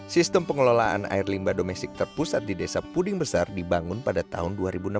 sistem pengelolaan air limba domestik terpusat di desa puding besar dibangun pada tahun dua ribu enam belas